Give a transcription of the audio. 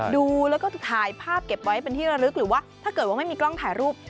ดูแล้วก็ถ่ายภาพเก็บไว้เป็นที่ระลึกหรือว่าถ้าเกิดว่าไม่มีกล้องถ่ายรูป